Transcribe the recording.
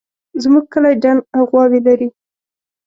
زموږ کلی دڼ غواوې لري